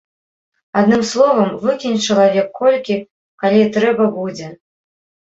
Адным словам, выкінь чалавек колькі, калі трэба будзе.